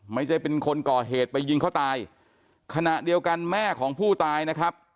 ไม่ใช่เป็นคนก่อเหตุไปยิงเขาตายขณะเดียวกันแม่ของผู้ตายนะครับ